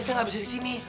saya gak bisa disini